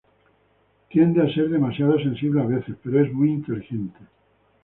Tiende a ser demasiado sensibles a veces, pero es muy inteligente.